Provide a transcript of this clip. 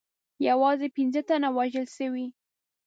یوازې پنځه تنه وژل سوي.